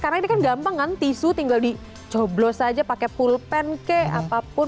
karena ini kan gampang kan tisu tinggal dicoblos aja pakai pulpen kek apapun